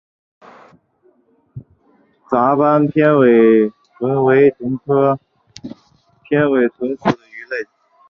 杂斑扁尾鲀为鲀科扁尾鲀属的鱼类。